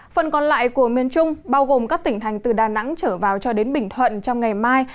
phần còn lại của miền trung bao gồm các tỉnh thành từ đà nẵng trở vào cho đến bình thuận trong ngày mai